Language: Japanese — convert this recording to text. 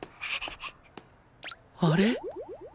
あれ！？